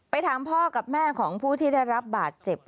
ถามพ่อกับแม่ของผู้ที่ได้รับบาดเจ็บ